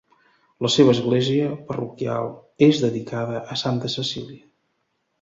La seva església, parroquial, és dedicada a santa Cecília.